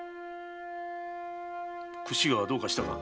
櫛がどうかしたか？